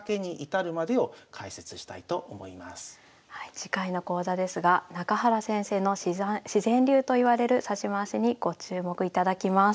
次回の講座ですが中原先生の自然流といわれる指し回しにご注目いただきます。